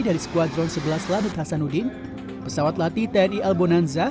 dari skuadron sebelas lanut hasanuddin pesawat lati tni albonanza